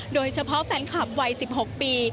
โดยเฉพาะแฟนคลับวัย๑๖ปี